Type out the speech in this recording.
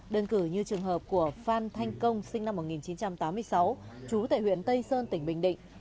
đơn cử như trường hợp của phan thanh công sinh năm một nghìn chín trăm tám mươi sáu trú tại huyện tây sơn tỉnh bình định